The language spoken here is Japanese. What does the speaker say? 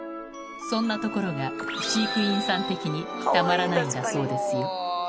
そんなところが飼育員さん的にたまらないんだそうですよ